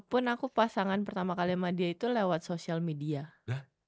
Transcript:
itu pun aku pasangan pertama kali sama dia itu lewat social media gitu ya